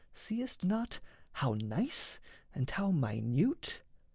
Seest not How nice and how minute?